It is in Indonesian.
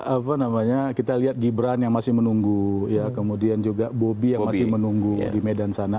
apa namanya kita lihat gibran yang masih menunggu ya kemudian juga bobi yang masih menunggu di medan sana